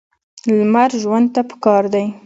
لمر ژوند ته پکار دی.